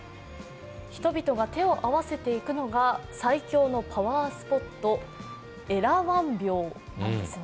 人々が手を合わせて行くのが最強のパワースポット、エラワン廟なんですね。